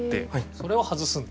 それを外すんだ。